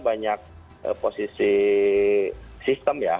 banyak posisi sistem ya